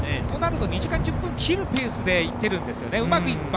となると２時間１０分を切るペースでいってるんですね。